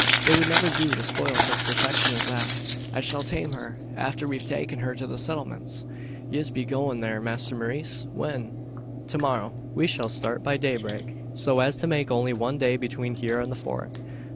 It would never do to spoil such perfection as that. I shall tame her, after we've taken her to the Settlements." "Yez be goin' there, masther Maurice? When?" "To morrow. We shall start by daybreak, so as to make only one day between here and the Fort."